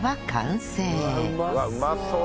うわうまそう！